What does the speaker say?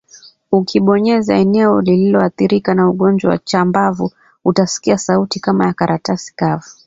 Ukibonyeza eneo lililoathirika na ugonjwa wa chambavu utasikia sauti kama ya karatasi kavu